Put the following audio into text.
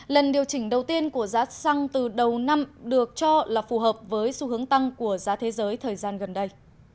lần điều chỉnh đầu tiên của giá xăng từ đầu năm được cho là phù hợp với xu hướng tăng của giá thế giới thời gian gần đây